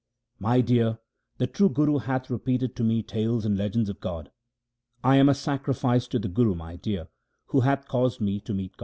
My dear, the true Guru hath repeated to me tales and legends of God. I am a sacrifice to the Guru, my dear, who hath caused me to meet God.